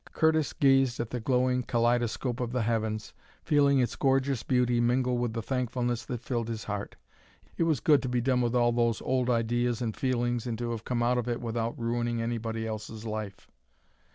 Curtis gazed at the glowing kaleidoscope of the heavens, feeling its gorgeous beauty mingle with the thankfulness that filled his heart. It was good to be done with all those old ideas and feelings and to have come out of it without ruining anybody else's life.